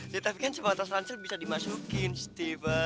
ya tapi kan sama tas rangsil bisa dimasukin steve